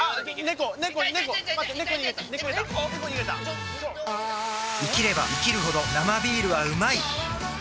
ネコ逃げた生きれば生きるほど「生ビール」はうまい！